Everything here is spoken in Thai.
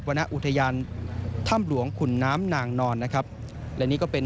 ณอุทยานถ้ำหลวงขุนน้ำนางนอนนะครับและนี่ก็เป็น